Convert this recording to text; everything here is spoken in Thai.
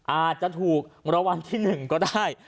อาจจะถูกมรวมที่๑ก็ได้